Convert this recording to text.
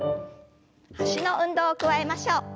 脚の運動を加えましょう。